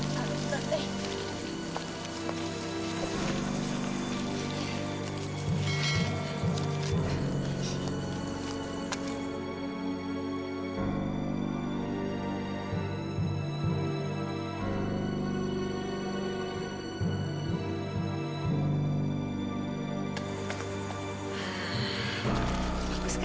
jangan b damaging pracaknya